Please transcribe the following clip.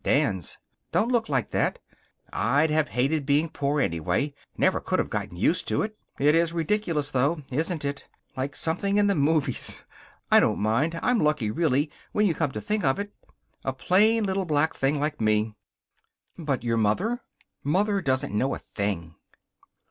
Dan's. Don't look like that. I'd have hated being poor, anyway. Never could have got used to it. It is ridiculous, though, isn't it? Like something in the movies. I don't mind. I'm lucky, really, when you come to think of it. A plain little black thing like me." "But your mother " "Mother doesn't know a thing."